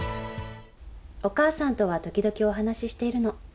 お母さんとは時々お話ししているの。